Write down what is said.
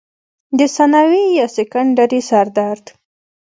او ثانوي يا سيکنډري سردرد